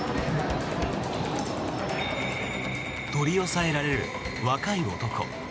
取り押さえられる若い男。